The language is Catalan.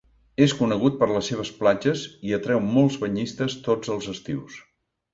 És conegut per les seves platges i atreu molts banyistes tots els estius.